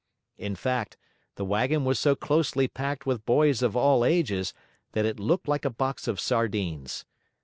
In fact the wagon was so closely packed with boys of all ages that it looked like a box of sardines.